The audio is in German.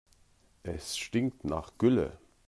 Es stinkt nach Gülle.